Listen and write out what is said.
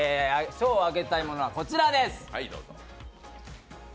賞をあげたいものはこちらです。